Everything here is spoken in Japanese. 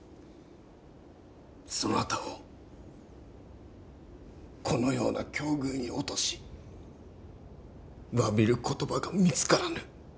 そなたをこのような境遇に落とし詫びる言葉が見つからぬ。